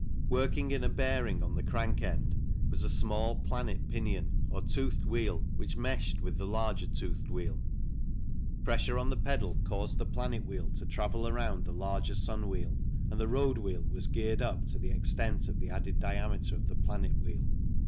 Working in a bearing on the crank end was a small planet pinion, or toothed wheel, which meshed with the larger toothed wheel. Pressure on the pedal caused the planet wheel to travel around the larger sun wheel and the road wheel was geared up to the extent of the added diameter of the planet wheel.